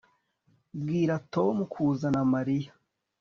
Bwira Tom kuzana Mariya